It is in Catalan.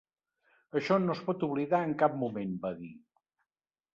Això no es pot oblidar en cap moment, va dir.